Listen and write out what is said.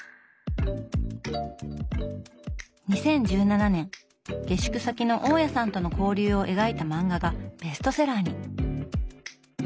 ２０１７年下宿先の大家さんとの交流を描いた漫画がベストセラーに。